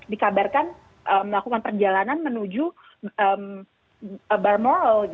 dikabarkan melakukan perjalanan menuju bar morrow